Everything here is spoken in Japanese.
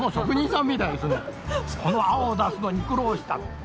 この青を出すのに苦労した。